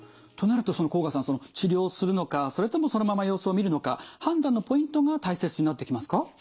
となるとその甲賀さん治療するのかそれともそのまま様子を見るのか判断のポイントが大切になってきますか？